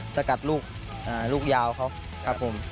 สกัดลูกยาวเขาครับผม